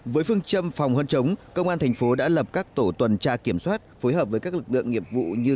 với phương châm phòng hơn chống công an thành phố đã lập các tổ tuần tra kiểm soát phối hợp với các lực lượng nghiệp vụ như